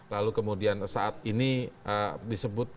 lalu kemudian saat ini disebut